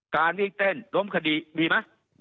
การวิ่งเต้นล้มคดีมีไหม